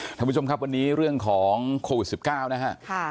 ฮะท่านผู้ชมครับวันนี้เรื่องของโควิดสิบเก้านะฮะค่ะ